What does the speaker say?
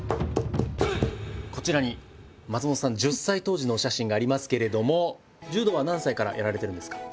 こちらに松本さん１０歳当時のお写真がありますけれども柔道は何歳からやられてるんですか？